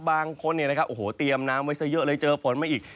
บางคนเนี่ยนะครับโอ้โหเตรียมน้ำไว้ซะเยอะเลยเจอฝนมาอีก